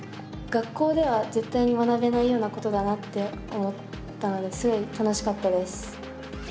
学校では絶対に学べないようなことだなって思ったのですごい楽しかったです。